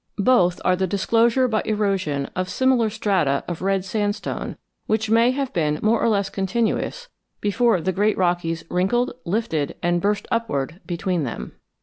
Both are the disclosure by erosion of similar strata of red sandstone which may have been more or less continuous before the great Rockies wrinkled, lifted, and burst upward between them.